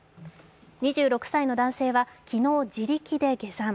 ２６歳の男性は昨日、自力で下山。